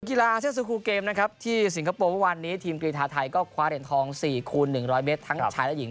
กีฬาเซ็นสุครูเกมนะครับที่สิงคโปร์วันนี้ทีมกรีธาไทยก็คว้าเหรียญทองสี่คูณหนึ่งร้อยเมตรทั้งชายและหญิง